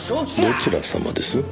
どちら様です？